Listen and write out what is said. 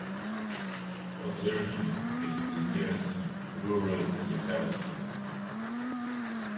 Ozerki is the nearest rural locality.